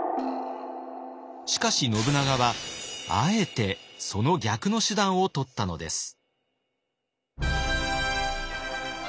しかし信長はあえてその逆の手段をとったのです。